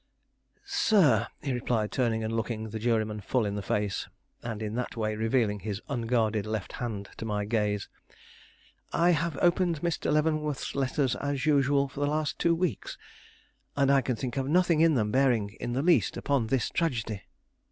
"Sir," he replied, turning and looking the juryman full in the face, and in that way revealing his unguarded left hand to my gaze, "I have opened Mr. Leavenworth's letters as usual for the last two weeks, and I can think of nothing in them bearing in the least upon this tragedy."